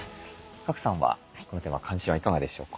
賀来さんはこのテーマ関心はいかがでしょうか？